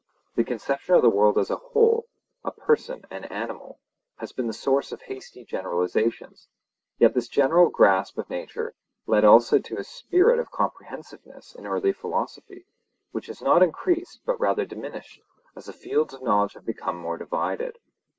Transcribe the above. The conception of the world as a whole, a person, an animal, has been the source of hasty generalizations; yet this general grasp of nature led also to a spirit of comprehensiveness in early philosophy, which has not increased, but rather diminished, as the fields of knowledge have become more divided.